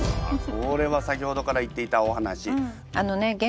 これは先ほどから言っていたお話。